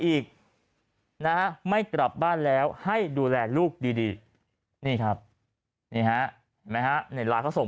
อีกนะไม่กลับบ้านแล้วให้ดูแลลูกดีนี่ครับเนี่ยเขาส่ง